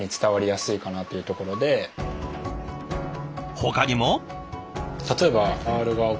ほかにも。